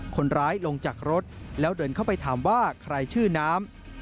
คนร้ายลงจากรถแล้วเดินเข้าไปถามว่าใครชื่อน้ำ